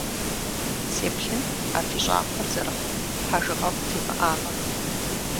Сеплъынт, а фи щӏакхъуэр зэрыхъум, хьэжыгъэфӏ фимыӏамэ.